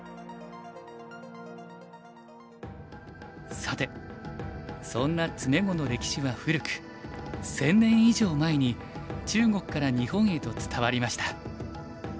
さてそんな詰碁の歴史は古く１，０００年以上前に中国から日本へと伝わりました。